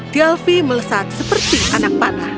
tialfi melesat seperti anak panah